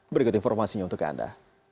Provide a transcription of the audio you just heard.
berikut informasinya untuk anda